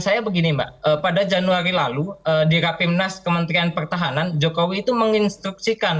saya begini mbak pada januari lalu di rapimnas kementerian pertahanan jokowi itu menginstruksikan